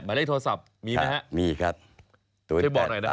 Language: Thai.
หมายเลขโทรศัพท์มีไหม